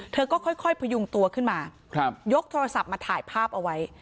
เธอก็ค่อยพยุงตัวขึ้นมายกโทรศัพท์มาถ่ายภาพเอาไว้